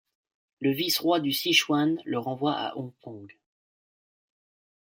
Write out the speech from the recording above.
Le vice-roi du Sichuan le renvoie à Hong Kong.